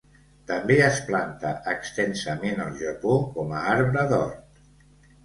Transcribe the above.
També és plantat extensament al Japó com a arbre d'hort.